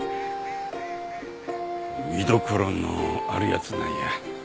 見どころのある奴なんや。